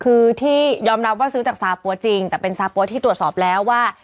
คือที่ยอมรับว่าซื้อจากซาปั๊วจริงแต่เป็นซาปั๊วที่ตรวจสอบแล้วว่า